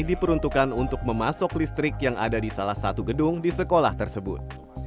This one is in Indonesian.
diperuntukkan untuk memasok listrik yang ada di salah satu gedung di sekolah tersebut